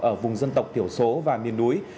ở vùng dân tộc thiểu số và miền núi